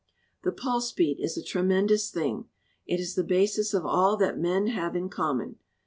"The pulse beat is a tremendous thing. It is the basis of all that men have in common.